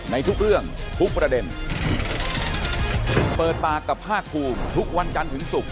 ในทุกเรื่องทุกประเด็นเปิดปากกับภาคภูมิทุกวันจันทร์ถึงศุกร์